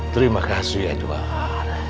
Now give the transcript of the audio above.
terima kasih ya juara